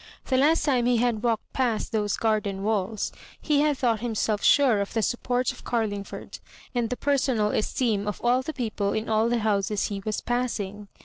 The last time he had walked past those garden walls he had thought himself sure of the support of Car lingford, and the personal esteem of all the peo ple in all the bouses he was passing.